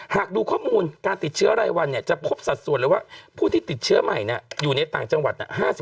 หากดูข้อมูลการติดเชื้อรายวันจะพบสัดส่วนเลยว่าผู้ที่ติดเชื้อใหม่อยู่ในต่างจังหวัด